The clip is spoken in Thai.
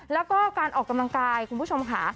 แล้วก็การออกกำลังกายคุณผู้ชมค่ะ